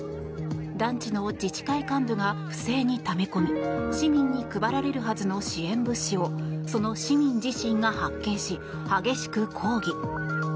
団地の自治会幹部が不正にため込み市民に配られるはずの支援物資をその市民自身が発見し激しく抗議。